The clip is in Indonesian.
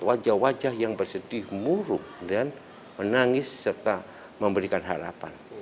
wajah wajah yang bersedih muruk dan menangis serta memberikan harapan